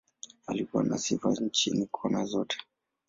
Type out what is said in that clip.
Alikuwa na sifa nchini, kona zote.